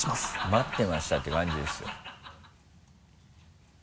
待ってましたって感じですよ。